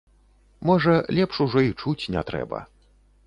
Можа, лепш ужо і чуць не трэба.